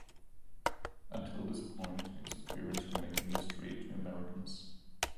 Until this point, its appearance remained a mystery to Americans.